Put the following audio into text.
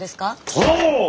そう！